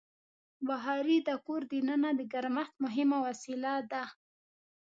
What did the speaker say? بخاري د کور دننه د ګرمښت مهمه وسیله ده.